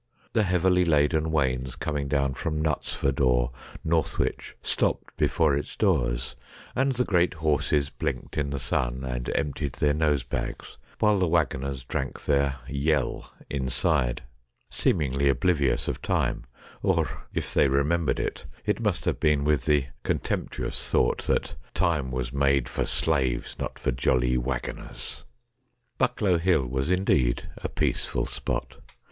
The heavily laden wains coming down from Knutsford or Northwich stopped before its doors, and the great horses blinked in the sun and emptied their nosebags, while the waggoners drank their ' yel ' inside, seemingly oblivious of time, or if they remembered it it must have been with the contemptuous thought that ' time was made for slaves, not for jolly waggoners.' Bucklow Hill was indeed a peaceful spot.